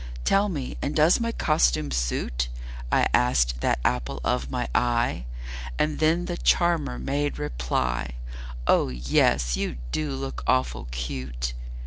"Tell me and does my costume suit?" I asked that apple of my eye And then the charmer made reply, "Oh, yes, you do look awful cute!"